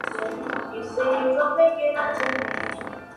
La cabecera de la región es Cuautitlán Izcalli